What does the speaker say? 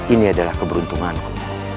ini adalah keberuntunganku